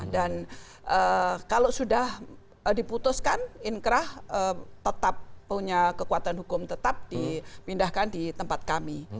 dan kalau sudah diputuskan inkra tetap punya kekuatan hukum tetap dipindahkan di tempat kami